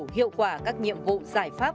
hiệu quả các nhiệm vụ giải pháp